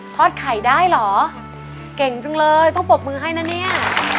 อดไข่ได้เหรอเก่งจังเลยต้องปรบมือให้นะเนี่ย